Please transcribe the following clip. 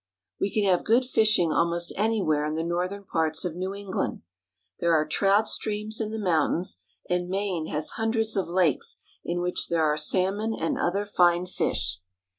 We can have good fishing almost anywhere in the northern parts of New England. There are trout streams in the mountains, and Maine has hundreds of lakes in which there are salmon and other fine fish.